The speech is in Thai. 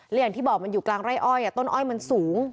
และอย่างที่บอกมันอยู่กลางไร่อ้อยต้นอ้อยมันสูง